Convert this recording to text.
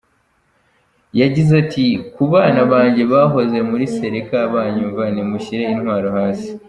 Yagize ati “ Ku bana banjye bahoze muri Séléka banyumva, nimushyire intwaro hasi.